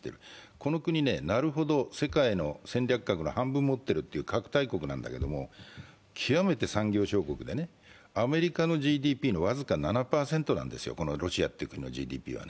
この国、なるほど、世界の戦略核の半分持っているという核大国なんだけれども極めて産業小国でアメリカのＧＤＰの僅か７％なんですよ、ロシアという国のＧＤＰは。